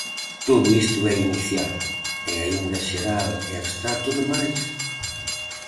Todo isto é inicial, e aínda xeral e abstracto de máis?